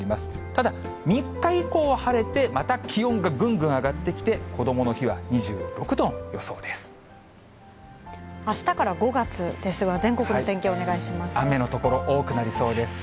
ただ、３日以降は晴れて、また気温がぐんぐん上がってきて、あしたから５月ですが、雨の所、多くなりそうです。